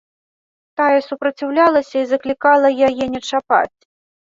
Тая супраціўлялася і заклікала яе не чапаць.